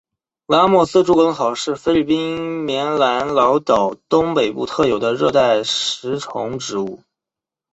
拉莫斯猪笼草是菲律宾棉兰老岛东北部特有的热带食虫植物。